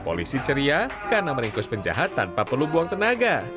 polisi ceria karena meringkus penjahat tanpa perlu buang tenaga